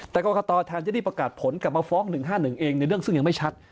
แต่กรกตแทนจะได้ประกาศผลกลับมาฟ้อง๑๕๑เองในเรื่องซึ่งยังไม่ชัด